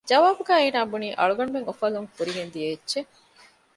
ޖަވާބުގައި އޭނާބުނީ އަޅުގަނޑުމެން އުފަލުން ފުރިގެން ދިޔައެއްޗެއް